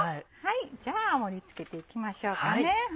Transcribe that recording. じゃあ盛り付けていきましょうか。